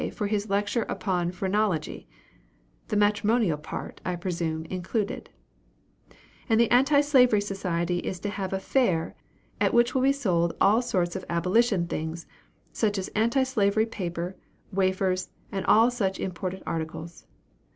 for his lecture upon phrenology the matrimonial part, I presume, included; and the Anti Slavery Society is to have a fair, at which will be sold all sorts of abolition things, such as anti slavery paper, wafers, and all such important articles.